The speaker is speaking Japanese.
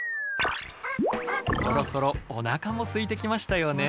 そろそろおなかもすいてきましたよね？